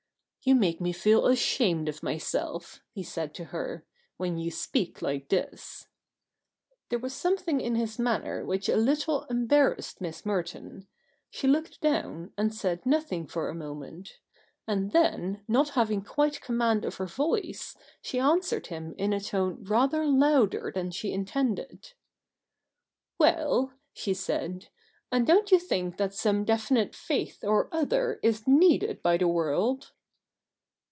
' You make me feel ashamed of myself,' he said to her, 'when you speak Hke this.' There was something in his manner which a Httle embarrassed Miss Merton. She looked down, and said nothing for a moment ; and then, not having quite com mand of her voice, she answered him in a tone rather louder than she intended. ' Well,' she said, ' and don't you think that some definite faith or other is needed by the world